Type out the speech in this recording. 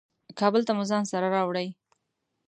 کابل ته مو ځان سره راوړې.